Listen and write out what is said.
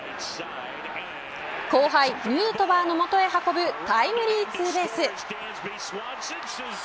後輩、ヌートバーの元へ運ぶタイムリーツーベース。